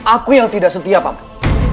aku yang tidak setia pak jajaran